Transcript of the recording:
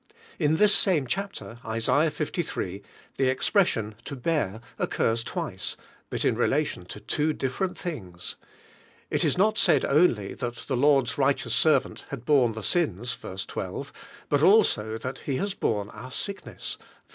In this same chapter, Isa. liii., the ex pression, to bear, occurs twice, but in re Inlion to two different things. It: is nut said only flint the Lord's righteous Serv ant had home the sins (ver. 12), but also thai He has borne oar sickness (ver.